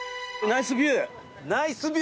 ナイスビュー。